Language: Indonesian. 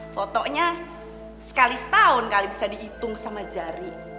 fotonya sekali setahun kali bisa dihitung sama jari